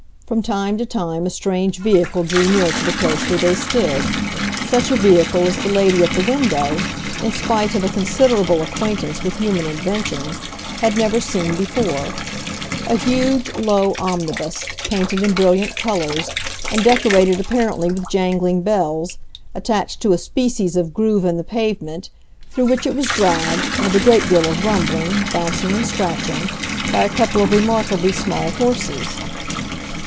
From time to time a strange vehicle drew near to the place where they stood,—such a vehicle as the lady at the window, in spite of a considerable acquaintance with human inventions, had never seen before: a huge, low omnibus, painted in brilliant colors, and decorated apparently with jangling bells, attached to a species of groove in the pavement, through which it was dragged, with a great deal of rumbling, bouncing and scratching, by a couple of remarkably small horses.